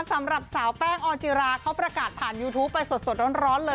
สำหรับสาวแป้งออนจิราเขาประกาศผ่านยูทูปไปสดร้อนเลย